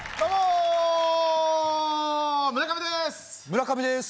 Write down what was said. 村上です